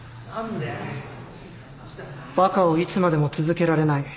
バカをいつまでも続けられない。